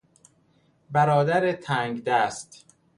برادر تنگدست